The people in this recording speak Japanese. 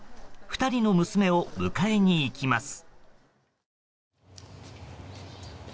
２人の娘を迎えにいきます。